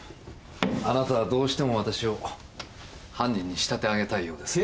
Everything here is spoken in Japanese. あなたはどうしてもわたしを犯人に仕立てあげたいようですね。